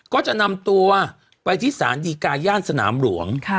ก็จะนำตัวไปที่ศาลดีกาย่านสนามหลวง